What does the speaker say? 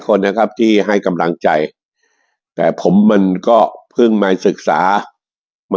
คนนะครับที่ให้กำลังใจแต่ผมมันก็เพิ่งมาศึกษามา